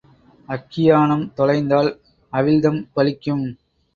அக்கியானம் தொலைந்தால் அவிழ்தம் பலிக்கும்.